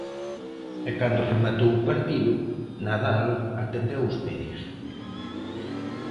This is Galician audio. E cando rematou o partido, Nadal atendeu os medios.